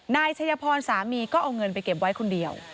นายชัยพรสามีก็เอาเงินไปเก็บไว้คนเดียว